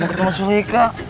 bukan mas sulika